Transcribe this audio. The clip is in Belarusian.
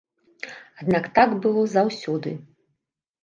Аднак так было заўсёды.